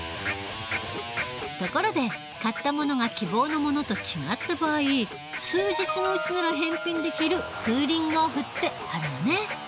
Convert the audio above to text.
ところで買ったものが希望のものと違った場合数日のうちなら返品できる「クーリングオフ」ってあるよね。